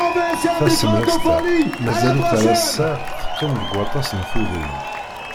Tasemrest-a, mazal-itt ar ass-a teqqim deg waṭas n tudrin.